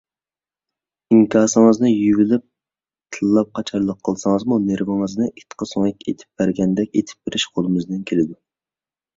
ئىنكاسىڭىزنى يۇيۇۋېلىپ تىللاپ قاچارلىق قىلسىڭىزمۇ نېسىۋېڭىزنى ئىتقا سۆڭەك ئېتىپ بەرگەندەك ئېتىپ بېرىش قولىمىزدىن كېلىدۇ.